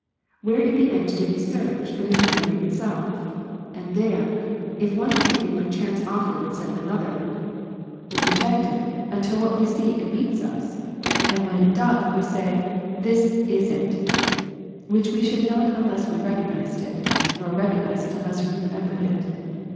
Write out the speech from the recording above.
Where in the end do we search, but in the memory itself? and there, if one thing be perchance offered instead of 198 Since ive can only seek for what ive remember, another, %ye reject it, until what we seek meets us; and when it cloth, we say, "This is it;" which we should not unless we recognized it, nor recognize it unless we remembered it.